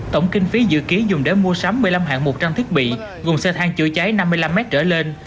tổng kinh phí dự ký dùng để mua sắm một mươi năm hạng một trăm linh thiết bị gồm xe thang chữa cháy năm mươi năm m trở lên